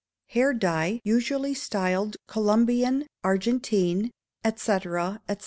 Hair Dye, usually styled Colombian, Argentine, &c., &c.